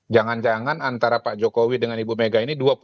jangan jangan antara pak jokowi dengan ibu mega ini